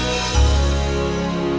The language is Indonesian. teneh awan tahan banting saya ma